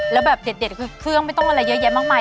แล้วแบบเด็ดคือเครื่องไม่ต้องอะไรเยอะแยะมากมาย